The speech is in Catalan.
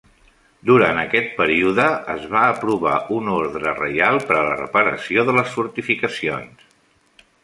Durant aquest període es va aprovar una ordre reial per a la reparació de les fortificacions.